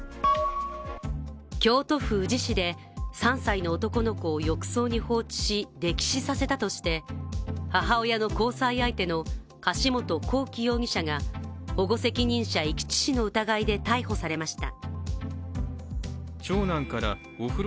京都府宇治市で３歳の男の子を浴槽に放置し溺死させたとして母親の交際相手の柏本光樹容疑者が、保護責任者遺棄致死の疑いで逮捕されました。